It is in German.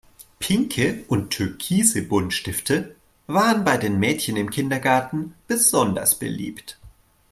Pinke und türkise Buntstifte waren bei den Mädchen im Kindergarten besonders beliebt.